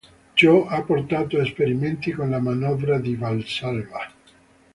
Ciò ha portato a esperimenti con la manovra di Valsalva.